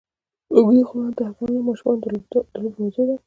اوږده غرونه د افغان ماشومانو د لوبو موضوع ده.